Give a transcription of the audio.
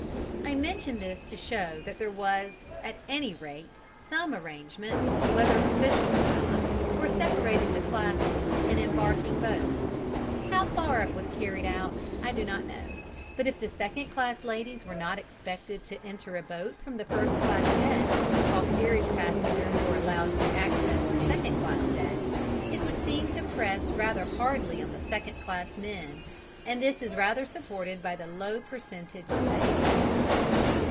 I mention this to show that there was, at any rate, some arrangement whether official or not for separating the classes in embarking in boats; how far it was carried out, I do not know, but if the second class ladies were not expected to enter a boat from the first class deck, while steerage passengers were allowed access to the second class deck, it would seem to press rather hardly on the second class men, and this is rather supported by the low percentage saved.